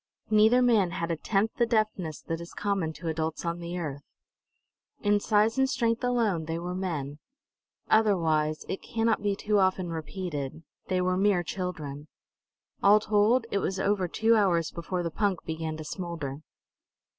Neither man had a tenth the deftness that is common to adults on the earth. In size and strength alone they were men; otherwise it cannot too often be repeated they were mere children. All told, it was over two hours before the punk began to smolder.